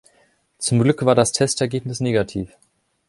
Zum Glück war das Testergebnis negativ.